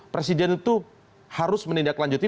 presiden itu harus menindaklanjuti